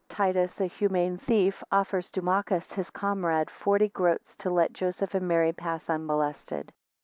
3 Titus a humane thief, offers Dumachus, his comrade, forty groats to let Joseph and Mary pass unmolested.